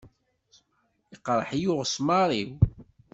Iqṛeḥ-iyi uɣesmaṛ-iw.